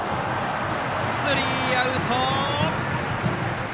スリーアウト。